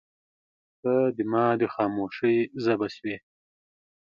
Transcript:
• ته زما د خاموشۍ ژبه شوې.